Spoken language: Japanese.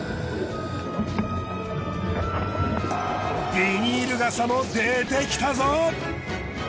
ビニール傘も出てきたぞ！